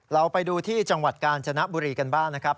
เราไปดูที่จังหวัดกาญจนบุรีกันบ้างนะครับ